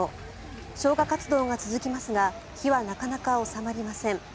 消火活動が続きますが火はなかなか収まりません。